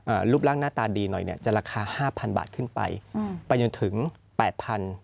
รูปร่างหน้าตาดีหน่อยเนี้ยจะราคาห้าพันบาทขึ้นไปอืมไปจนถึงแปดพัน